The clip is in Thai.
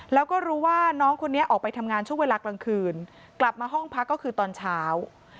แล้วก็รู้ว่าน้องคนนี้ออกไปทำงานช่วงเวลากลางคืนกลับมาห้องพักก็คือตอนเช้า